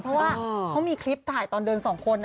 เพราะว่าเขามีคลิปถ่ายตอนเดินสองคน